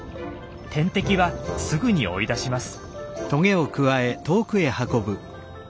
天敵はすぐに追い出します。